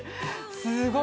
すごい。